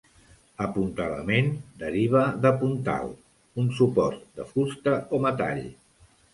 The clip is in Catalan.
"Apuntalament" deriva de "puntal", un suport de fusta o metall.